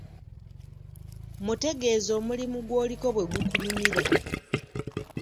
Mutegeeze omulimu gw'oliko bwe gukunyumira.